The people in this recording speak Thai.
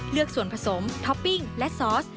เลือกส่วนผสมท็อปปิ้งและซอส